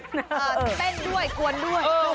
เต้นด้วยกวนด้วย